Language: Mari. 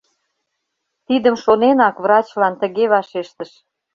Тидым шоненак, врачлан тыге вашештыш: